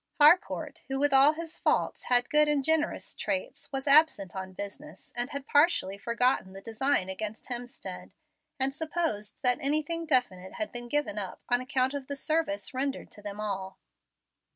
Harcourt, who with all his faults had good and generous traits, was absent on business, and had partially forgotten the design against Hemstead, and supposed that anything definite had been given up on account of the service rendered to them all.